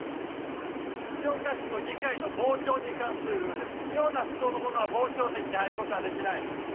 石岡市の議会の傍聴に関するルールです。